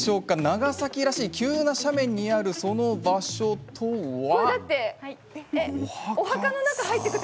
長崎らしい急な斜面にあるその場所とは。